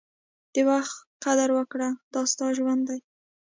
د وخت قدر وکړه، دا ستا ژوند دی.